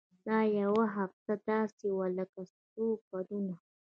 دا يوه هفته داسې وه لکه څو کلونه.